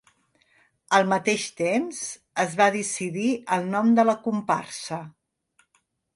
Al mateix temps, es va decidir el nom de la comparsa.